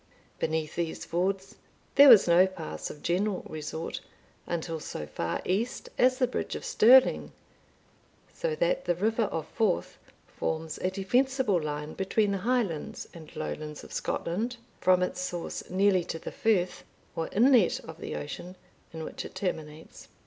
Beneath these fords, there was no pass of general resort until so far east as the bridge of Stirling; so that the river of Forth forms a defensible line between the Highlands and Lowlands of Scotland, from its source nearly to the Firth, or inlet of the ocean, in which it terminates.